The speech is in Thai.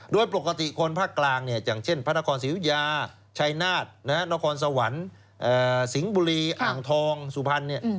โดยปกติคนภาคกลางเนี่ยอย่างเช่นพระนครศรีอุทยาชัยนาธนครสวรรค์สิงห์บุรีอ่างทองสุพรรณ